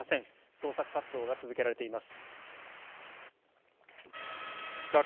捜索活動が続けられています。